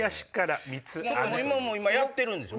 今もうやってるんですよ。